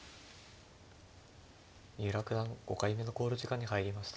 三浦九段５回目の考慮時間に入りました。